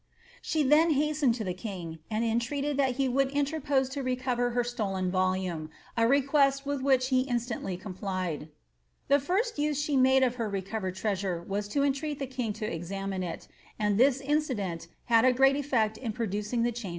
She then hastened to the king, and entreated that he would interpoM to recover her stolen volume, a request with which he instantly com plied. The first use she made of her recovered treasure was to entreat the king to examine it, and this incident had a great efi^l in producing the change that followed.'